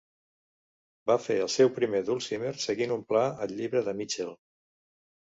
Va fer el seu primer dulcimer seguint un pla al llibre de Mitchell.